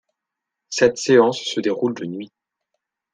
Cette séance se déroule de nuit.